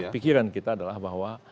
pikiran kita adalah bahwa